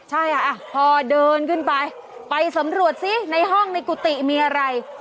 ใช่อ่ะพอเดินขึ้นไปไปสำรวจซิในห้องในกุฏิมีอะไร